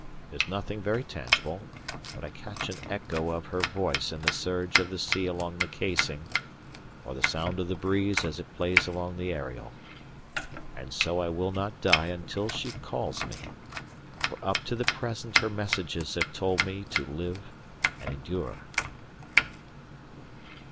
There's nothing very tangible, but I catch an echo of her voice in the surge of the sea along the casing, or the sound of the breeze as it plays along the aerial. And so I will not die until she calls me, for up to the present her messages have told me to live and endure.